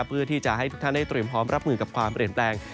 เพื่อที่จะให้ทุกท่านได้เตรียมพร้อมรับมือกับความเปลี่ยนแปลง